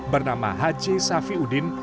bernama haji safiuddin